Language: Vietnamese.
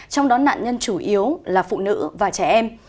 trong đó nạn nhân chủ yếu là phụ nữ và trẻ em